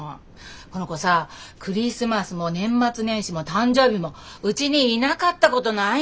この子さクリスマスも年末年始も誕生日もうちにいなかったことないんだから。